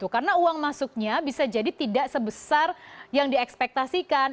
karena uang masuknya bisa jadi tidak sebesar yang diekspektasikan